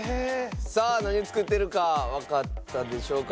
さあ何作ってるかわかったでしょうか？